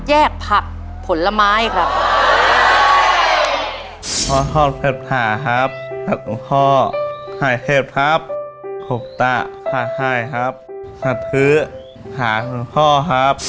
แยกผักผลไม้ครับ